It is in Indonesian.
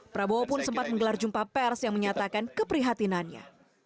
prabowo pun sempat menggelar jumpa pers yang menyatakan keprihatinannya